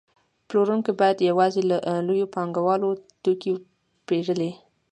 پلورونکي باید یوازې له لویو پانګوالو توکي پېرلی